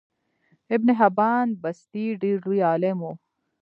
ابن حبان بستي ډیر لوی عالم وو